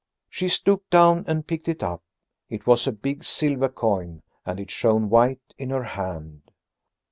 She stooped down and picked it up. It was a big silver coin and it shone white in her hand.